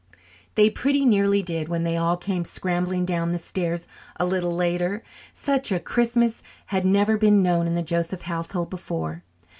They pretty nearly did when they all came scrambling down the stairs a little later. Such a Christmas had never been known in the Joseph household before.